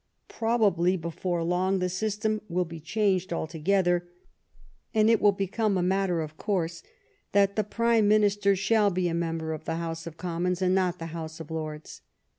Probably before long the system will be changed altogether, and it will be come a matter of course that the Prime Minister shall be a member of the House of Commons and not the House of Lords.